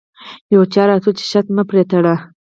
یو چا راته وویل چې شرط مه پرې تړه.